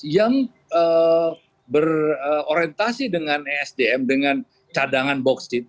yang berorientasi dengan esdm dengan cadangan boksit